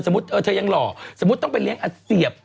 เธอยังหล่อสมมุติต้องไปเลี้ยงอัเสียบ